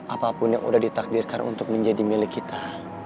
apapun yang sudah ditakdirkan untuk menjadi milik kita